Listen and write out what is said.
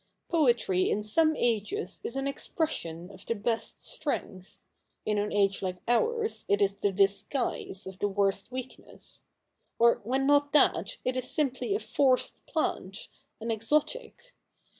Poetry in some ages is an expression of the best strength ; in an age like ours it is the disguise of the worst weakness — or, when not that, it is simply a forced plant, an exotic.